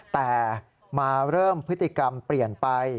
แต่มาเริ่มพฤติกรรมเปลี่ยนไป